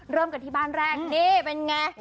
เริ่มกันที่บ้านแรกนี่เป็นไง